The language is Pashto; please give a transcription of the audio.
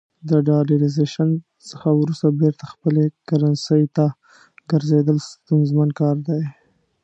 د ډالرایزیشن څخه وروسته بیرته خپلې کرنسۍ ته ګرځېدل ستونزمن کار دی.